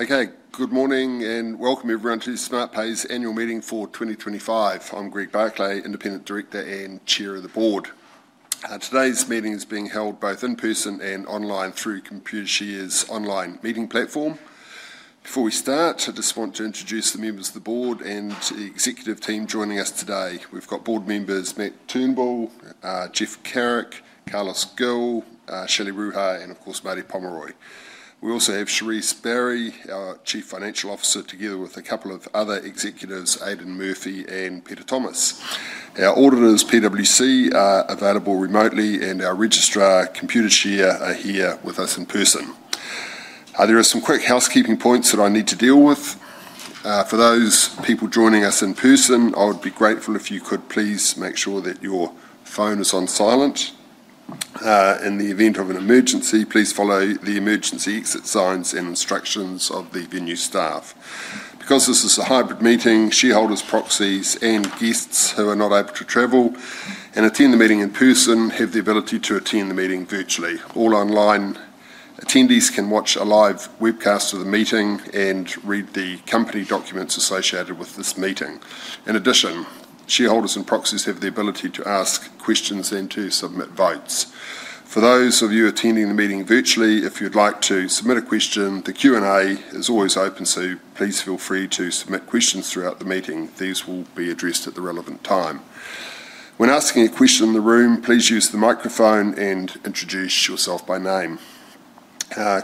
Okay, good morning and welcome everyone to Smartpay's annual meeting for 2025. I'm Greg Barclay, Independent Director and Chair of the Board. Today's meeting is being held both in person and online through Computershare's online meeting platform. Before we start, I just want to introduce the members of the Board and the executive team joining us today. We've got Board members Matt Turnbull, Geoff Carrick, Carlos Gil, Shelley Ruha, and of course Marty Pomeroy. We also have Cherise Barrie, our Chief Financial Officer, together with a couple of other executives, Aidan Murphy and Peter Thomas. Our auditors, PwC, are available remotely, and our registrar, Computershare, are here with us in person. There are some quick housekeeping points that I need to deal with. For those people joining us in person, I would be grateful if you could please make sure that your phone is on silent. In the event of an emergency, please follow the emergency exit signs and instructions of the venue staff. Because this is a hybrid meeting, shareholders, proxies, and guests who are not able to travel and attend the meeting in person have the ability to attend the meeting virtually. All online attendees can watch a live webcast of the meeting and read the company documents associated with this meeting. In addition, shareholders and proxies have the ability to ask questions and to submit votes. For those of you attending the meeting virtually, if you'd like to submit a question, the Q&A is always open, so please feel free to submit questions throughout the meeting. These will be addressed at the relevant time. When asking a question in the room, please use the microphone and introduce yourself by name.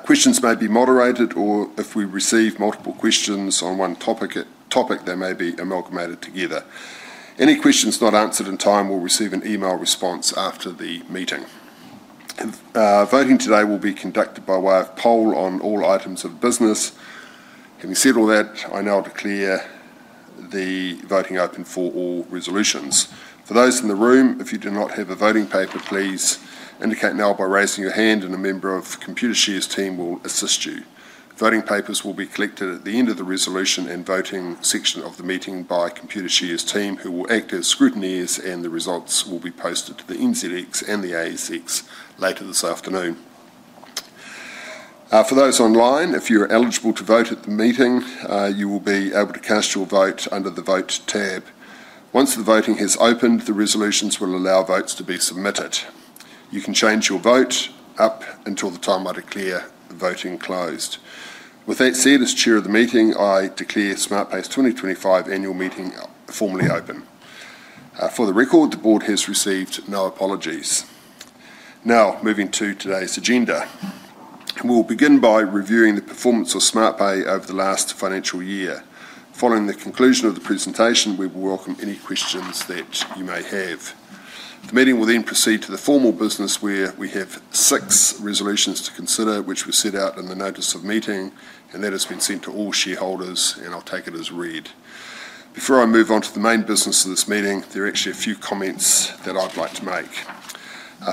Questions may be moderated, or if we receive multiple questions on one topic, they may be amalgamated together. Any questions not answered in time will receive an email response after the meeting. Voting today will be conducted by way of poll on all items of business. Having said all that, I now declare the voting open for all resolutions. For those in the room, if you do not have a voting paper, please indicate now by raising your hand and a member of Computershare's team will assist you. Voting papers will be collected at the end of the resolution and voting section of the meeting by Computershare's team, who will act as scrutineers, and the results will be posted to the NZX and the ASX later this afternoon. For those online, if you are eligible to vote at the meeting, you will be able to cast your vote under the vote tab. Once the voting has opened, the resolutions will allow votes to be submitted. You can change your vote up until the time I declare voting closed. With that said, as Chair of the meeting, I declare Smartpay's 2025 annual meeting formally open. For the record, the Board has received no apologies. Now, moving to today's agenda, we'll begin by reviewing the performance of Smartpay over the last financial year. Following the conclusion of the presentation, we will welcome any questions that you may have. The meeting will then proceed to the formal business, where we have six resolutions to consider, which were set out in the notice of meeting, and that has been sent to all shareholders, and I'll take it as read. Before I move on to the main business of this meeting, there are actually a few comments that I'd like to make.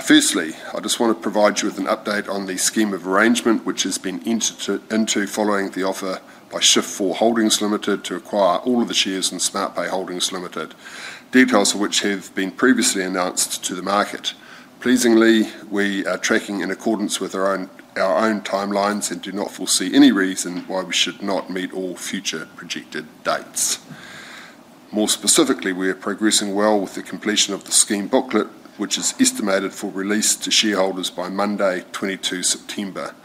Firstly, I just want to provide you with an update on the scheme of arrangement, which has been entered into following the offer by Shift4 Holdings Limited to acquire all of the shares in Smartpay Holdings Limited, details of which have been previously announced to the market. Pleasingly, we are tracking in accordance with our own timelines and do not foresee any reason why we should not meet all future projected dates. More specifically, we are progressing well with the completion of the scheme booklet, which is estimated for release to shareholders by Monday, 22 September.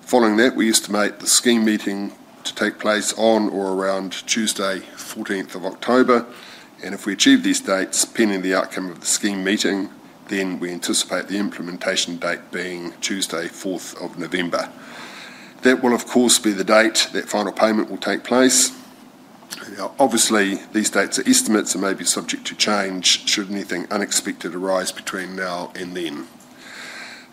Following that, we estimate the scheme meeting to take place on or around Tuesday, 14 October, and if we achieve these dates pending the outcome of the scheme meeting, then we anticipate the implementation date being Tuesday, 4th November. That will, of course, be the date that final payment will take place. Obviously, these dates are estimates and may be subject to change should anything unexpected arise between now and then.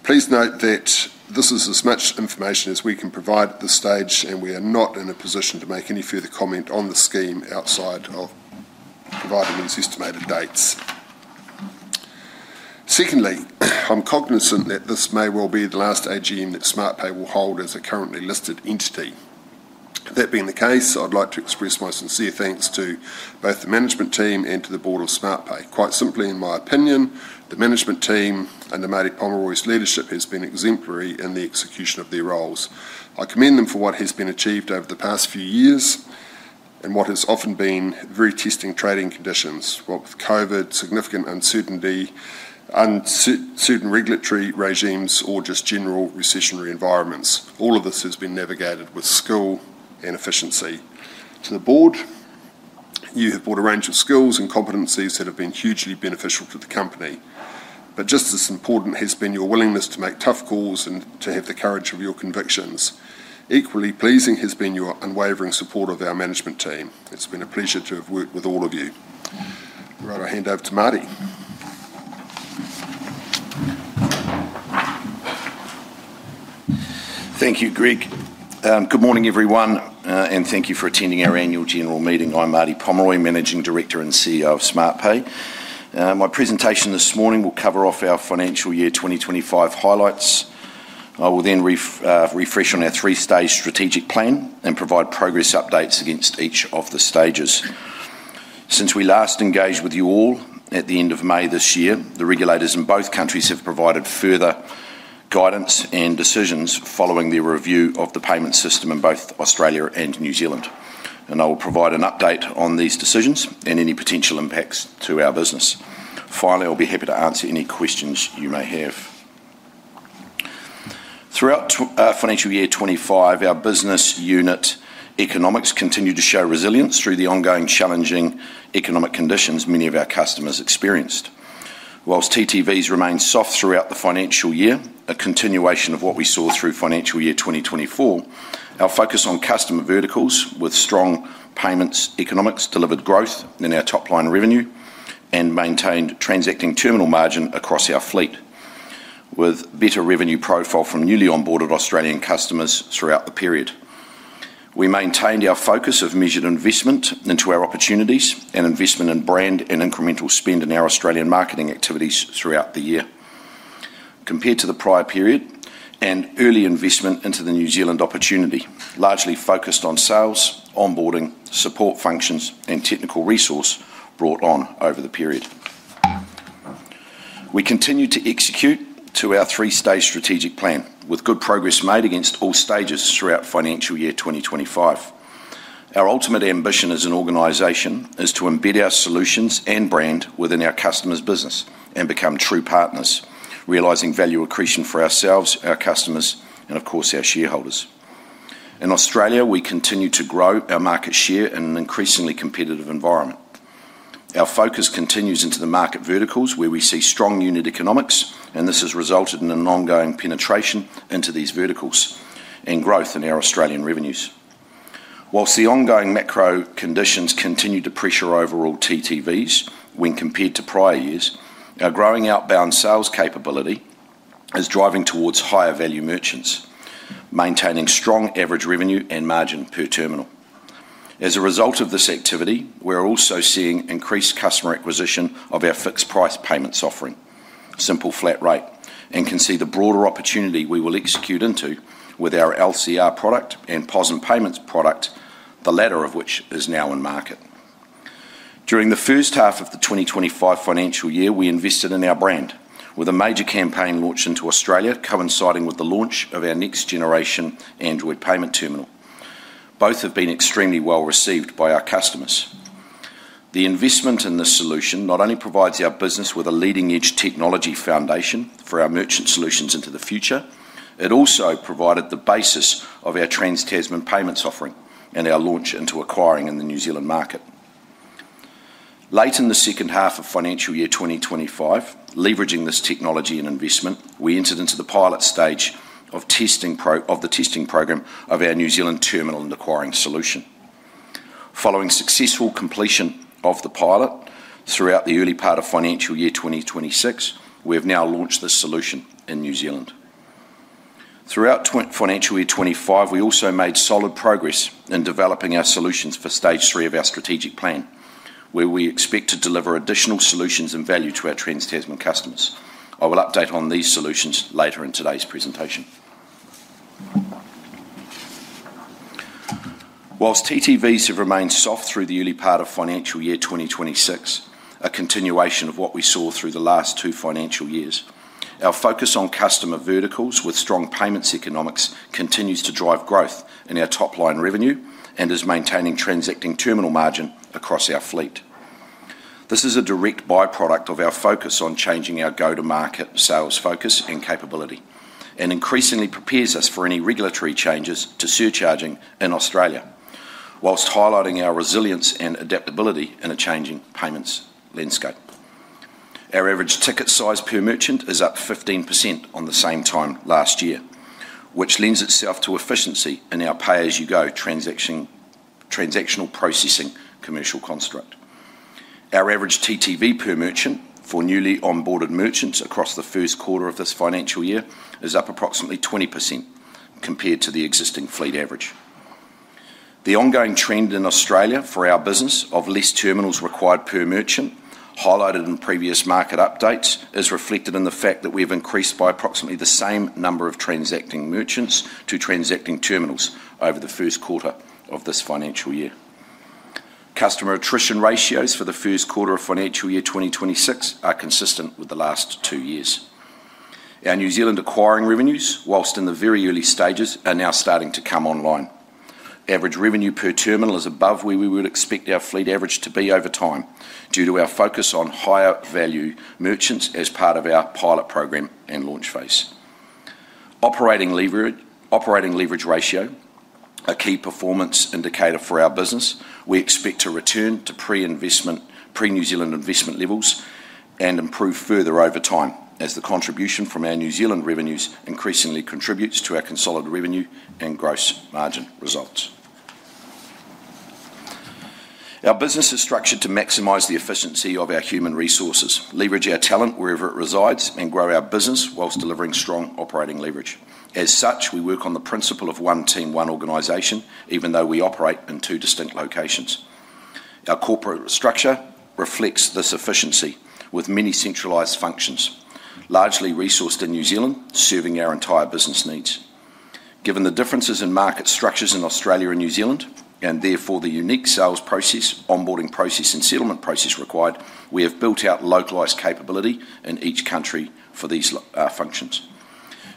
Please note that this is as much information as we can provide at this stage, and we are not in a position to make any further comment on the scheme outside of providing these estimated dates. Secondly, I'm cognizant that this may well be the last AGM that Smartpay will hold as a currently listed entity. That being the case, I'd like to express my sincere thanks to both the management team and to the Board of Smartpay. Quite simply, in my opinion, the management team and Marty Pomeroy's leadership has been exemplary in the execution of their roles. I commend them for what has been achieved over the past few years and what has often been very testing trading conditions, whether it's COVID, significant uncertainty, uncertain regulatory regimes, or just general recessionary environments. All of this has been navigated with skill and efficiency. To the board, you have brought a range of skills and competencies that have been hugely beneficial to the company. Just as important has been your willingness to make tough calls and to have the courage of your convictions. Equally pleasing has been your unwavering support of our management team. It's been a pleasure to have worked with all of you. I'll hand over to Marty. Thank you, Greg. Good morning, everyone, and thank you for attending our annual general meeting. I'm Marty Pomeroy, Managing Director and CEO of Smartpay. My presentation this morning will cover off our financial year 2025 highlights. I will then refresh on our three-stage strategic plan and provide progress updates against each of the stages. Since we last engaged with you all at the end of May this year, the regulators in both countries have provided further guidance and decisions following their review of the payment system in both Australia and New Zealand. I will provide an update on these decisions and any potential impacts to our business. Finally, I'll be happy to answer any questions you may have. Throughout financial year 2025, our business unit economics continued to show resilience through the ongoing challenging economic conditions many of our customers experienced. Whilst TTVs remained soft throughout the financial year, a continuation of what we saw through financial year 2024, our focus on customer verticals with strong payments economics delivered growth in our top-line revenue and maintained transacting terminal margin across our fleet, with a better revenue profile from newly onboarded Australian customers throughout the period. We maintained our focus of measured investment into our opportunities and investment in brand and incremental spend in our Australian marketing activities throughout the year. Compared to the prior period, early investment into the New Zealand opportunity largely focused on sales, onboarding, support functions, and technical resource brought on over the period. We continue to execute to our three-stage strategic plan, with good progress made against all stages throughout financial year 2025. Our ultimate ambition as an organization is to embed our solutions and brand within our customers' business and become true partners, realizing value accretion for ourselves, our customers, and of course our shareholders. In Australia, we continue to grow our market share in an increasingly competitive environment. Our focus continues into the market verticals where we see strong unit economics, and this has resulted in an ongoing penetration into these verticals and growth in our Australian revenues. Whilst the ongoing macro conditions continue to pressure overall TTVs when compared to prior years, our growing outbound sales capability is driving towards higher value merchants, maintaining strong average revenue and margin per terminal. As a result of this activity, we're also seeing increased customer acquisition of our fixed price payments offering, simple flat rate, and can see the broader opportunity we will execute into with our LCR product and POSM payments product, the latter of which is now in market. During the first half of the 2025 financial year, we invested in our brand with a major campaign launched into Australia, coinciding with the launch of our next generation Android payment terminal. Both have been extremely well received by our customers. The investment in this solution not only provides our business with a leading-edge technology foundation for our merchant solutions into the future, it also provided the basis of our trans-Tasman payments offering and our launch into acquiring in the New Zealand market. Late in the second half of financial year 2025, leveraging this technology and investment, we entered into the pilot stage of the testing program of our New Zealand terminal and acquiring solution. Following successful completion of the pilot throughout the early part of financial year 2026, we have now launched this solution in New Zealand. Throughout financial year 2025, we also made solid progress in developing our solutions for stage three of our strategic plan, where we expect to deliver additional solutions and value to our trans-Tasman customers. I will update on these solutions later in today's presentation. Whilst TTVs have remained soft through the early part of financial year 2026, a continuation of what we saw through the last two financial years, our focus on customer verticals with strong payments economics continues to drive growth in our top-line revenue and is maintaining transacting terminal margin across our fleet. This is a direct byproduct of our focus on changing our go-to-market sales focus and capability and increasingly prepares us for any regulatory changes to surcharging in Australia, whilst highlighting our resilience and adaptability in a changing payments landscape. Our average ticket size per merchant is up 15% on the same time last year, which lends itself to efficiency in our pay-as-you-go transactional processing commercial construct. Our average TTV per merchant for newly onboarded merchants across the first quarter of this financial year is up approximately 20% compared to the existing fleet average. The ongoing trend in Australia for our business of least terminals required per merchant, highlighted in previous market updates, is reflected in the fact that we have increased by approximately the same number of transacting merchants to transacting terminals over the first quarter of this financial year. Customer attrition ratios for the first quarter of financial year 2026 are consistent with the last two years. Our New Zealand acquiring revenues, whilst in the very early stages, are now starting to come online. Average revenue per terminal is above where we would expect our fleet average to be over time due to our focus on higher value merchants as part of our pilot program and launch phase. Operating leverage ratio, a key performance indicator for our business, we expect to return to pre-New Zealand investment levels and improve further over time as the contribution from our New Zealand revenues increasingly contributes to our consolidated revenue and gross margin results. Our business is structured to maximize the efficiency of our human resources, leverage our talent wherever it resides, and grow our business whilst delivering strong operating leverage. As such, we work on the principle of one team, one organization, even though we operate in two distinct locations. Our corporate structure reflects this efficiency with many centralized functions, largely resourced in New Zealand, serving our entire business needs. Given the differences in market structures in Australia and New Zealand, and therefore the unique sales process, onboarding process, and settlement process required, we have built out localized capability in each country for these functions.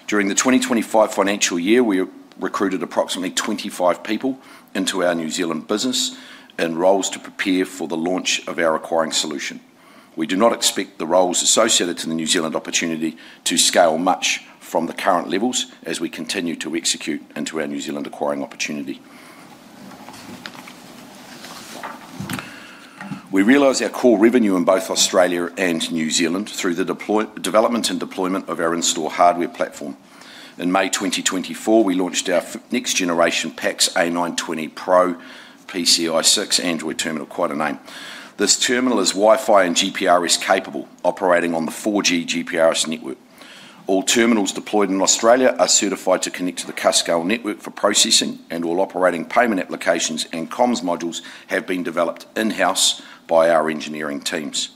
During the 2025 financial year, we recruited approximately 25 people into our New Zealand business in roles to prepare for the launch of our acquiring solution. We do not expect the roles associated to the New Zealand opportunity to scale much from the current levels as we continue to execute into our New Zealand acquiring opportunity. We realize our core revenue in both Australia and New Zealand through the development and deployment of our in-store hardware platform. In May 2024, we launched our next generation PAX A920Pro PCI 6 Android terminal, quite a name. This terminal is Wi-Fi and GPRS capable, operating on the 4G GPRS network. All terminals deployed in Australia are certified to connect to the Cascale network for processing, and all operating payment applications and comms modules have been developed in-house by our engineering teams.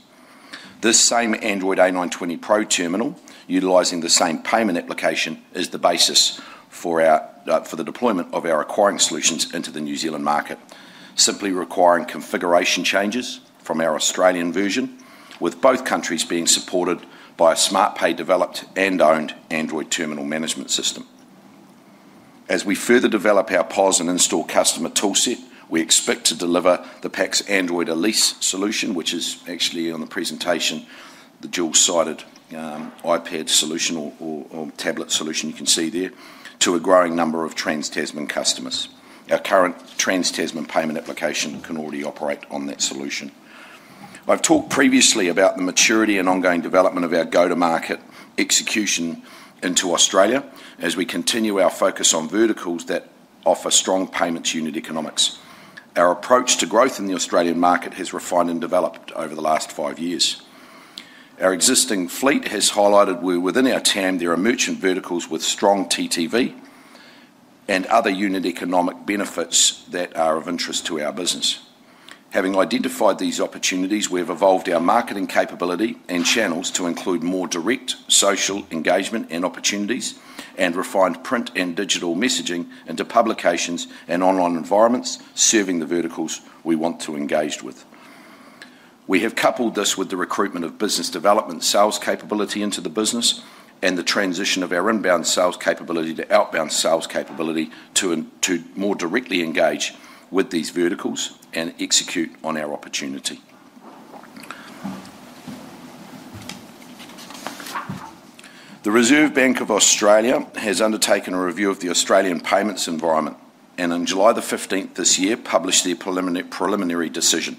This same Android A920Pro terminal, utilizing the same payment application, is the basis for the deployment of our acquiring solutions into the New Zealand market, simply requiring configuration changes from our Australian version, with both countries being supported by a Smartpay developed and owned Android terminal management system. As we further develop our POS and in-store customer toolset, we expect to deliver the PAX Android Elys solution, which is actually on the presentation, the dual-sided iPad solution or tablet solution you can see there, to a growing number of trans-Tasman customers. Our current trans-Tasman payment application can already operate on that solution. I've talked previously about the maturity and ongoing development of our go-to-market execution into Australia as we continue our focus on verticals that offer strong payments unit economics. Our approach to growth in the Australian market has refined and developed over the last five years. Our existing fleet has highlighted where within our town there are merchant verticals with strong TTV and other unit economic benefits that are of interest to our business. Having identified these opportunities, we have evolved our marketing capability and channels to include more direct social engagement and opportunities and refined print and digital messaging into publications and online environments, serving the verticals we want to engage with. We have coupled this with the recruitment of business development sales capability into the business and the transition of our inbound sales capability to outbound sales capability to more directly engage with these verticals and execute on our opportunity. The Reserve Bank of Australia has undertaken a review of the Australian payments environment and on July 15th this year published their preliminary decision.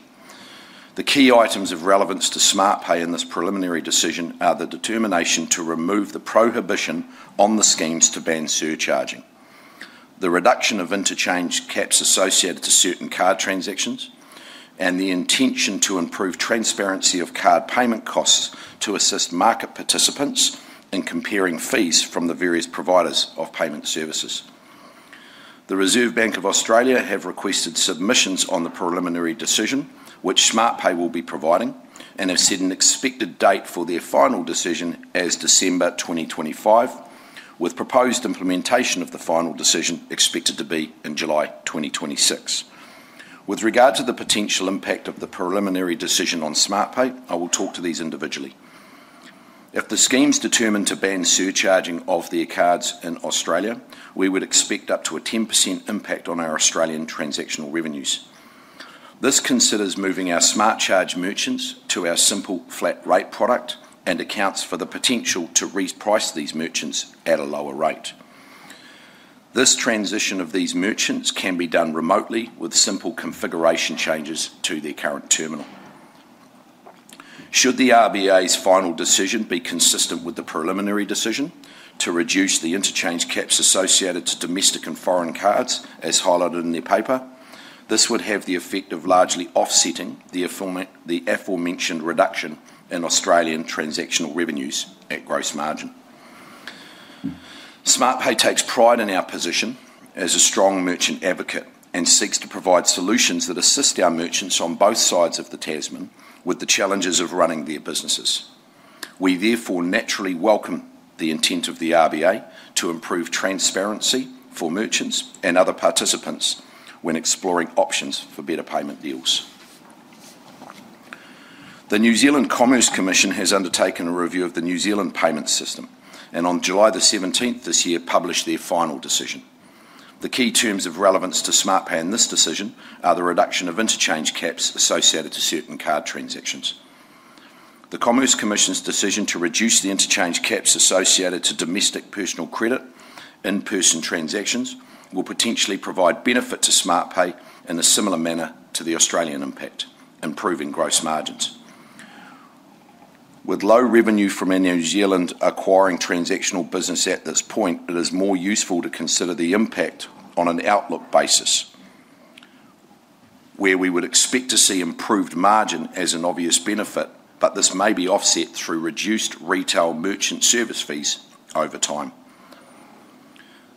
The key items of relevance to Smartpay in this preliminary decision are the determination to remove the prohibition on the schemes to ban surcharging, the reduction of interchange caps associated to certain card transactions, and the intention to improve transparency of card payment costs to assist market participants in comparing fees from the various providers of payment services. The Reserve Bank of Australia has requested submissions on the preliminary decision, which Smartpay will be providing, and has set an expected date for their final decision as December 2025, with proposed implementation of the final decision expected to be in July 2026. With regard to the potential impact of the preliminary decision on Smartpay, I will talk to these individually. If the schemes determine to ban surcharging of their cards in Australia, we would expect up to a 10% impact on our Australian transactional revenues. This considers moving our Smart Charge merchants to our simple flat rate product and accounts for the potential to reprice these merchants at a lower rate. This transition of these merchants can be done remotely with simple configuration changes to their current terminal. Should the RBA's final decision be consistent with the preliminary decision to reduce the interchange caps associated to domestic and foreign cards, as highlighted in their paper, this would have the effect of largely offsetting the aforementioned reduction in Australian transactional revenues at gross margin. Smartpay takes pride in our position as a strong merchant advocate and seeks to provide solutions that assist our merchants on both sides of the Tasman with the challenges of running their businesses. We therefore naturally welcome the intent of the RBA to improve transparency for merchants and other participants when exploring options for better payment deals. The New Zealand Commerce Commission has undertaken a review of the New Zealand payment system and on July 17 this year published their final decision. The key terms of relevance to Smartpay in this decision are the reduction of interchange caps associated to certain card transactions. The Commerce Commission's decision to reduce the interchange caps associated to domestic personal credit in-person transactions will potentially provide benefit to Smartpay in a similar manner to the Australian impact, improving gross margins. With low revenue from a New Zealand acquiring transactional business at this point, it is more useful to consider the impact on an outlook basis, where we would expect to see improved margin as an obvious benefit, but this may be offset through reduced retail merchant service fees over time.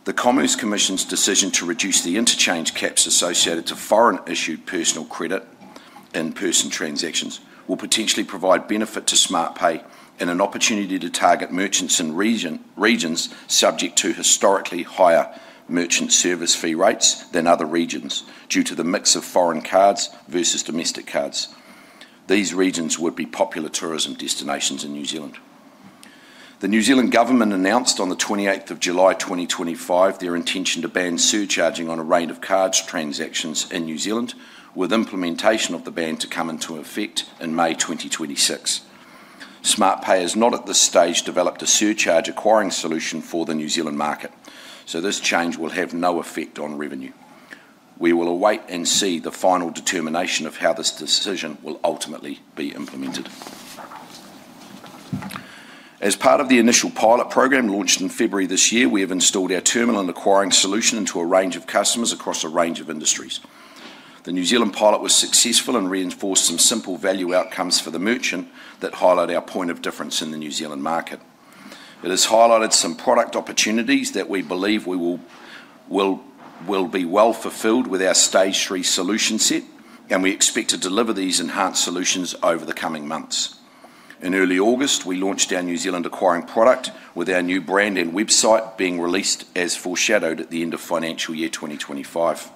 The Commerce Commission's decision to reduce the interchange caps associated to foreign-issued personal credit in-person transactions will potentially provide benefit to Smartpay and an opportunity to target merchants in regions subject to historically higher merchant service fee rates than other regions due to the mix of foreign cards versus domestic cards. These regions would be popular tourism destinations in New Zealand. The New Zealand government announced on July 28, 2025, their intention to ban surcharging on a range of card transactions in New Zealand, with implementation of the ban to come into effect in May 2026. Smartpay has not at this stage developed a surcharge acquiring solution for the New Zealand market, so this change will have no effect on revenue. We will await and see the final determination of how this decision will ultimately be implemented. As part of the initial pilot program launched in February this year, we have installed our terminal and acquiring solution to a range of customers across a range of industries. The New Zealand pilot was successful and reinforced some simple value outcomes for the merchant that highlight our point of difference in the New Zealand market. It has highlighted some product opportunities that we believe will be well fulfilled with our stage three solution set, and we expect to deliver these enhanced solutions over the coming months. In early August, we launched our New Zealand acquiring product with our new brand and website being released as foreshadowed at the end of financial year 2025.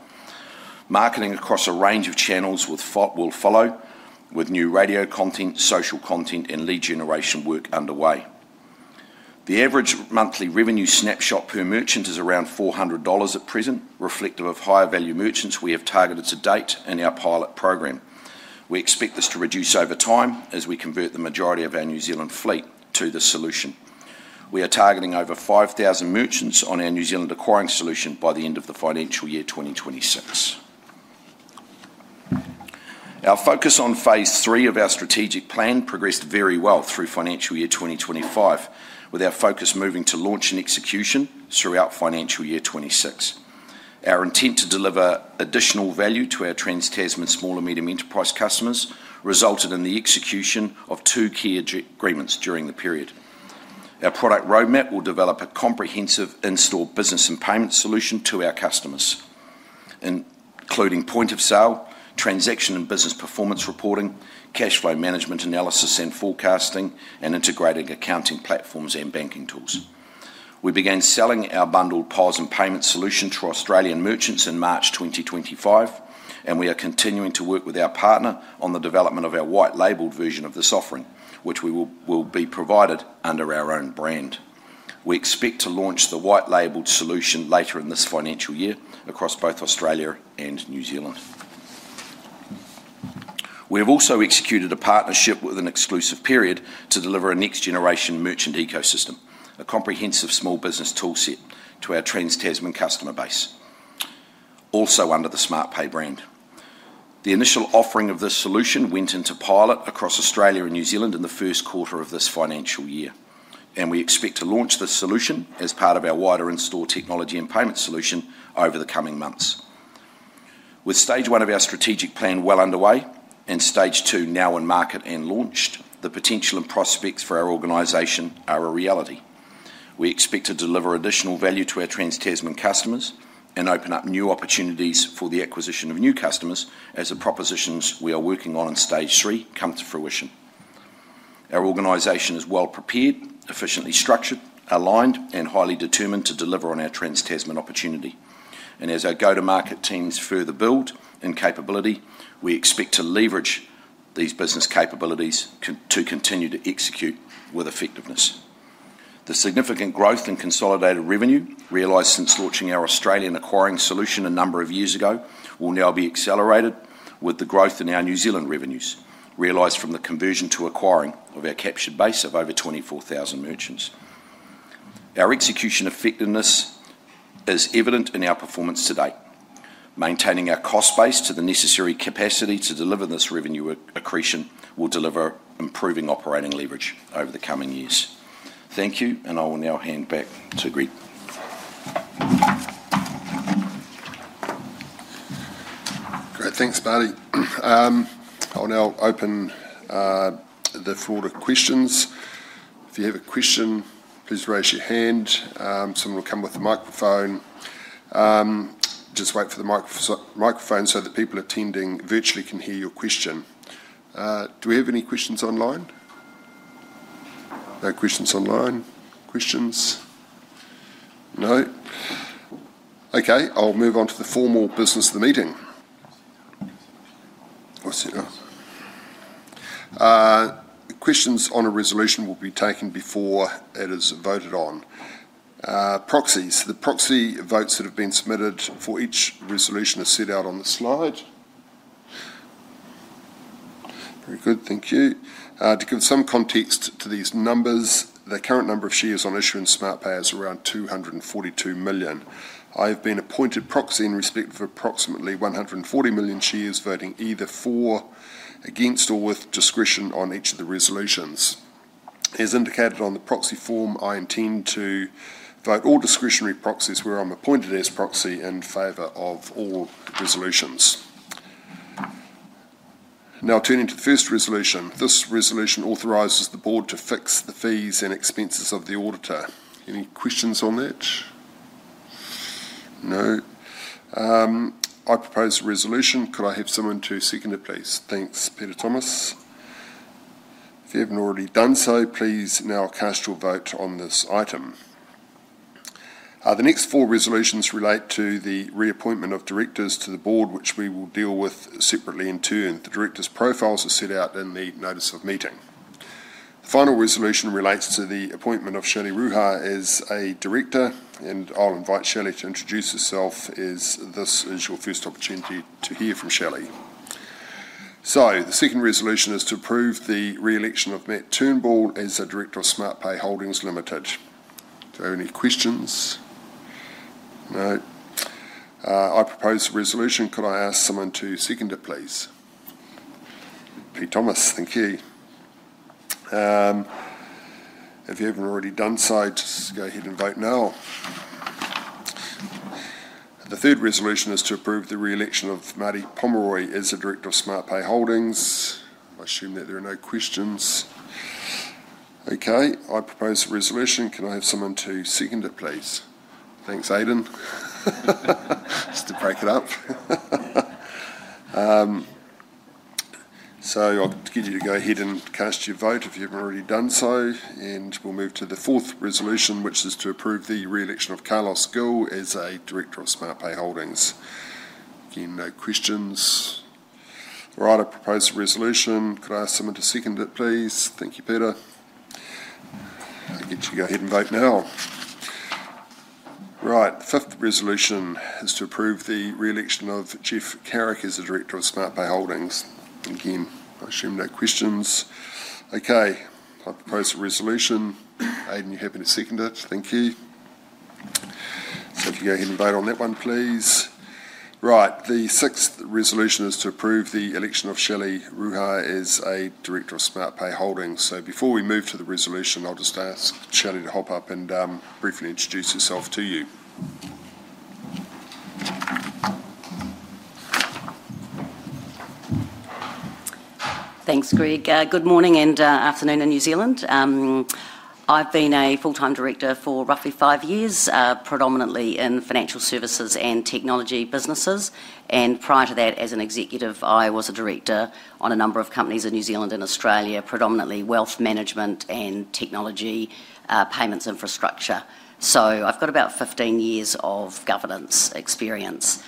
Marketing across a range of channels will follow, with new radio content, social content, and lead generation work underway. The average monthly revenue snapshot per merchant is around $400 at present, reflective of higher value merchants we have targeted to date in our pilot program. We expect this to reduce over time as we convert the majority of our New Zealand fleet to the solution. We are targeting over 5,000 merchants on our New Zealand acquiring solution by the end of the financial year 2026. Our focus on phase three of our strategic plan progressed very well through financial year 2025, with our focus moving to launch and execution throughout financial year 2026. Our intent to deliver additional value to our trans-Tasman small and medium enterprise customers resulted in the execution of two key agreements during the period. Our product roadmap will develop a comprehensive in-store business and payment solution to our customers, including point of sale, transaction and business performance reporting, cash flow management analysis and forecasting, and integrated accounting platforms and banking tools. We began selling our bundled POS and payment solution to Australian merchants in March 2025, and we are continuing to work with our partner on the development of our white-labeled version of this offering, which we will be provided under our own brand. We expect to launch the white-labeled solution later in this financial year across both Australia and New Zealand. We have also executed a partnership with an exclusive period to deliver a next-generation merchant ecosystem, a comprehensive small business toolset to our trans-Tasman customer base, also under the Smartpay brand. The initial offering of this solution went into pilot across Australia and New Zealand in the first quarter of this financial year, and we expect to launch this solution as part of our wider in-store technology and payment solution over the coming months. With stage one of our strategic plan well underway and stage two now in market and launched, the potential and prospects for our organization are a reality. We expect to deliver additional value to our trans-Tasman customers and open up new opportunities for the acquisition of new customers as the propositions we are working on in stage three come to fruition. Our organization is well prepared, efficiently structured, aligned, and highly determined to deliver on our trans-Tasman opportunity. As our go-to-market teams further build in capability, we expect to leverage these business capabilities to continue to execute with effectiveness. The significant growth in consolidated revenue realized since launching our Australian acquiring solution a number of years ago will now be accelerated with the growth in our New Zealand revenues realized from the conversion to acquiring of our captured base of over 24,000 merchants. Our execution effectiveness is evident in our performance to date. Maintaining our cost base to the necessary capacity to deliver this revenue accretion will deliver improving operating leverage over the coming years. Thank you, and I will now hand back to Greg. Great, thanks Marty. I'll now open the floor to questions. If you have a question, please raise your hand. Someone will come with the microphone. Just wait for the microphone so that people attending virtually can hear your question. Do we have any questions online? No questions online. Questions? No? Okay, I'll move on to the formal business of the meeting. Questions on a resolution will be taken before it is voted on. Proxies, the proxy votes that have been submitted for each resolution are set out on the slide. Very good, thank you. To give some context to these numbers, the current number of shares on issue in Smartpay is around 242 million. I have been appointed proxy in respect of approximately 140 million shares voting either for, against, or with discretion on each of the resolutions. As indicated on the proxy form, I intend to vote all discretionary proxies where I'm appointed as proxy in favor of all resolutions. Now turning to the first resolution, this resolution authorizes the Board to fix the fees and expenses of the auditor. Any questions on that? No? I propose a resolution. Could I have someone to second it, please? Thanks, Peter Thomas. If you haven't already done so, please now cast your vote on this item. The next four resolutions relate to the reappointment of directors to the Board, which we will deal with separately in turn. The directors' profiles are set out in the notice of meeting. The final resolution relates to the appointment of Shelley Ruha as a director, and I'll invite Shelley to introduce herself as this is your first opportunity to hear from Shelley. The second resolution is to approve the reelection of Matt Turnbull as a director of Smartpay Holdings Limited. Any questions? No? I propose a resolution. Could I ask someone to second it, please? Peter Thomas, thank you. If you haven't already done so, just go ahead and vote now. The third resolution is to approve the reelection of Marty Pomeroy as a director of Smartpay Holdings. I assume that there are no questions. I propose a resolution. Can I have someone to second it, please? Thanks, Aidan. I'll get you to go ahead and cast your vote if you haven't already done so, and we'll move to the fourth resolution, which is to approve the reelection of Carlos Gil as a director of Smartpay Holdings. Again, no questions. All right, I propose a resolution. Could I ask someone to second it, please? Thank you, Peter. I'll get you to go ahead and vote now. Right, the fifth resolution is to approve the reelection of Geoff Carrick as a Director of Smartpay Holdings. Again, I assume no questions. Okay, I propose a resolution. Aidan, you're happy to second it? Thank you. If you go ahead and vote on that one, please. Right, the sixth resolution is to approve the election of Shelley Ruha as a Director of Smartpay Holdings. Before we move to the resolution, I'll just ask Shelley to hop up and briefly introduce herself to you. Thanks, Greg. Good morning and afternoon in New Zealand. I've been a full-time director for roughly five years, predominantly in financial services and technology businesses. Prior to that, as an executive, I was a director on a number of companies in New Zealand and Australia, predominantly wealth management and technology payments infrastructure. I've got about 15 years of governance experience.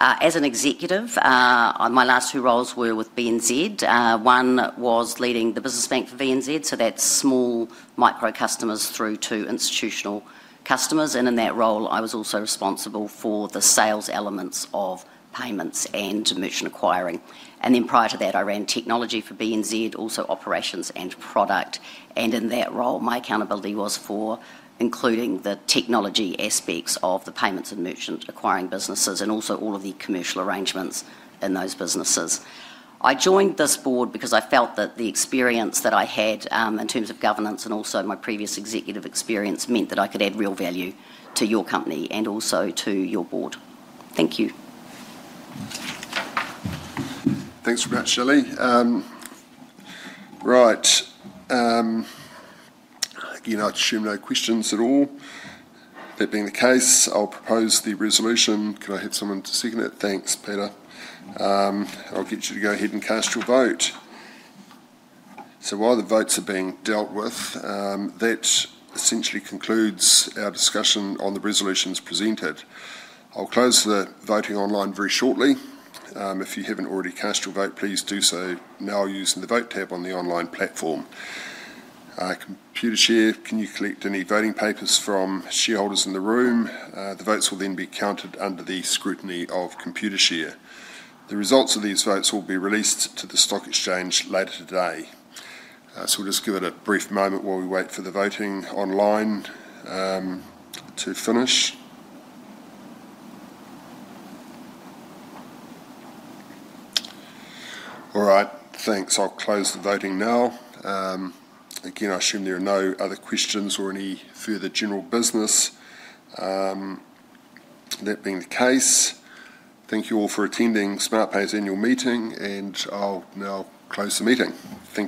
As an executive, my last two roles were with BNZ. One was leading the business bank for BNZ, so that's small micro customers through to institutional customers. In that role, I was also responsible for the sales elements of payments and merchant acquiring. Prior to that, I ran technology for BNZ, also operations and product. In that role, my accountability was for including the technology aspects of the payments and merchant acquiring businesses and also all of the commercial arrangements in those businesses. I joined this board because I felt that the experience that I had in terms of governance and also my previous executive experience meant that I could add real value to your company and also to your board. Thank you. Thanks for that, Shelley. Right, again, I assume no questions at all. That being the case, I'll propose the resolution. Can I have someone to second it? Thanks, Peter. I'll get you to go ahead and cast your vote. While the votes are being dealt with, that essentially concludes our discussion on the resolutions presented. I'll close the voting online very shortly. If you haven't already cast your vote, please do so now using the vote tab on the online platform. Computershare, can you collect any voting papers from shareholders in the room? The votes will then be counted under the scrutiny of Computershare. The results of these votes will be released to the stock exchange later today. We'll just give it a brief moment while we wait for the voting online to finish. All right, thanks. I'll close the voting now. Again, I assume there are no other questions or any further general business. That being the case, thank you all for attending Smartpay's annual meeting, and I'll now close the meeting. Thank you.